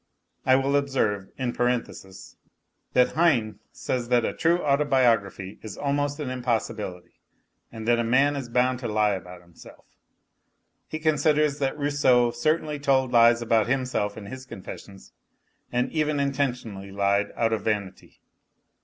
I will observe, in parenthesis, that Heine says that a true auto biography is almost an impossibility, and that man is bound to lie about himself. He considers that Rousseau certainly told lies about himself in his confessions, and even intentionally lied, out of vanity.